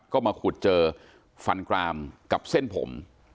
ก็มาขุดเจอฟันกรามกับเส้นผม